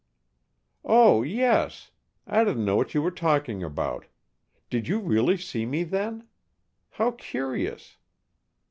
"Oh, yes! I didn't know what you were talking about. Did you really see me then? How curious!